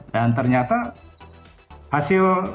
dan ternyata hasil rapat terpadu tadi